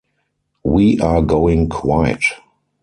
We are going quiet.